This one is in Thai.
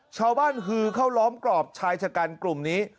ชาวบ้านฮือเข้าร้อมกรอบชายชะกันกลุ่มนี้